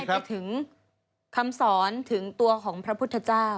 แต่เราไหว้ไปถึงคำสอนถึงตัวของพระพุทธเจ้า